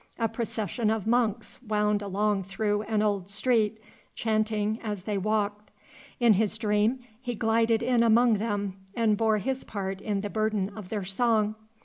A procession of monks wound along through an old street, chanting, as they walked. In his dream he glided in among them and bore his part in the burden of their song.